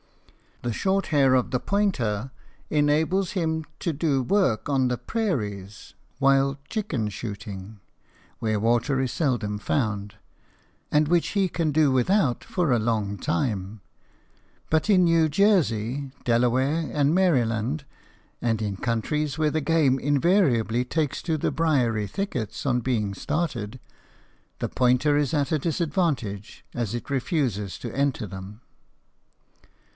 The short hair of the pointer enables him to do work on the prairies while "chicken" shooting where water is seldom found, and which he can do without for a long time; but in New Jersey, Delaware, and Maryland, and in countries where the game invariably takes to the briery thickets on being started, the pointer is at a disadvantage, as it refuses to enter them.